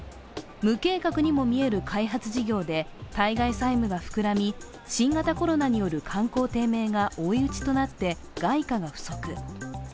無計画にも見える開発事業で対外債務が膨らみ新型コロナによる観光低迷が追い打ちとなって外貨が不足。